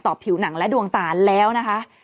ผิวหนังและดวงตาแล้วนะคะ